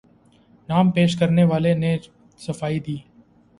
نام پیش کرنے والے نے صفائی دی